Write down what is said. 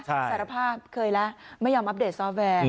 สารภาพเคยแล้วไม่ยอมอัปเดตซอฟแวร์